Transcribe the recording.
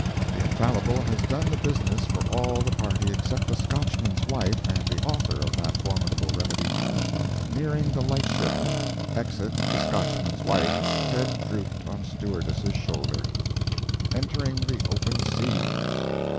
The infallible has done the business for all the party except the Scotchman's wife and the author of that formidable remedy. Nearing the Light Ship. Exit the Scotchman's wife, head drooped on stewardess's shoulder. Entering the open sea.